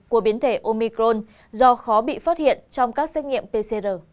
của biến thể omicron do khó bị phát hiện trong các xét nghiệm pcr